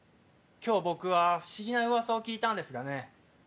今日僕は不思議な噂を聞いたんですがね。